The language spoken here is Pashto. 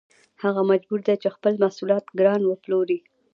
هغه مجبور دی چې خپل محصولات ګران وپلوري